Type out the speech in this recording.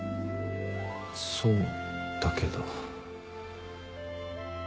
そうだけど。